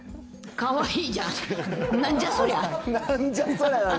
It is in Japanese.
かわいいじゃん。